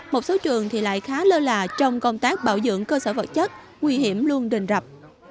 một số trường thì lại khá lơ là trong công tác bảo dưỡng cơ sở vật chất nguy hiểm luôn rình rập